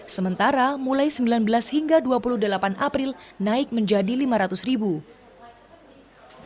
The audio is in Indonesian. sementara mulai sembilan belas hingga dua puluh delapan april naik menjadi lima ratus ribu